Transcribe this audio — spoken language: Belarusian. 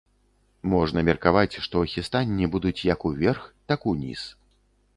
Можна меркаваць, што хістанні будуць як уверх, так ўніз.